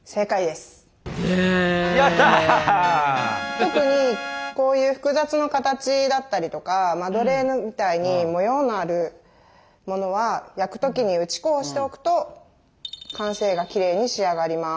特にこういう複雑な形だったりとかマドレーヌみたいに模様のあるものは焼く時に打ち粉をしておくと完成がきれいに仕上がります。